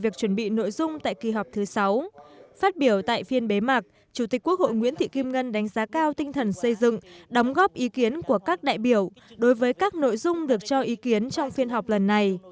chủ tịch quốc hội nguyễn thị kim ngân đánh giá cao tinh thần xây dựng đóng góp ý kiến của các đại biểu đối với các nội dung được cho ý kiến trong phiên họp lần này